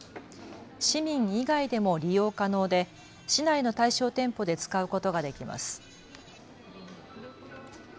市民以外でも利用可能で市内の対象店舗で使うことができます。